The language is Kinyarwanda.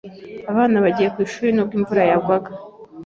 Abana bagiye ku ishuri nubwo imvura yagwaga.